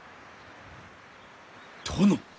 殿！